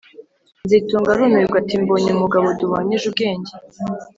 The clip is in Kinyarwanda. Nzitunga arumirwa ati: “Mbonye umugabo duhwanyije ubwenge